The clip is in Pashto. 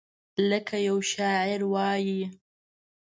لکه یو شاعر وایي: